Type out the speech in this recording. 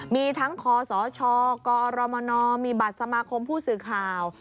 มีทั้งคศกอรมนมีบัตรสมาคมผู้สื่อข่าว